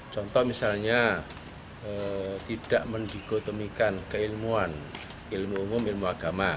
contoh misalnya tidak mendikotomikan keilmuan ilmu umum ilmu agama